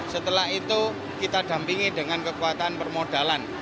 setelah itu kita dampingi dengan kekuatan permodalan